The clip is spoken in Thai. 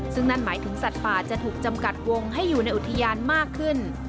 ซึ่งนั่นหมายถึงสัตว์ป่าจะถูกจำกัดวงให้อยู่ในอุทยานมากขึ้น